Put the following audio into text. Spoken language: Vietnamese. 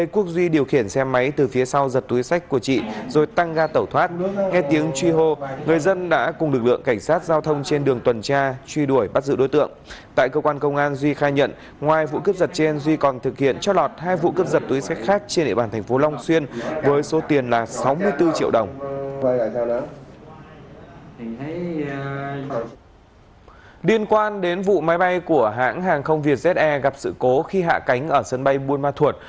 cục máy bay của hãng hàng không việt ze gặp sự cố khi hạ cánh ở sân bay buôn ma thuột